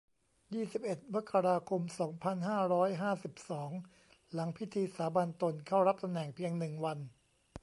ยี่สิบเอ็ด มกราคม สองพันห้าร้อยห้าสิบสอง หลังพิธีสาบานตนเข้ารับตำแหน่งเพียง หนึ่ง วัน